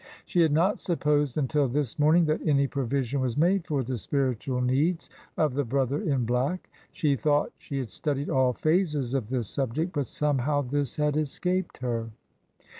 She had not supposed until this morning that any pro vision was made for the spiritual needs of the brother in black. She thought she had studied all phases of this subject, but somehow this had escaped her.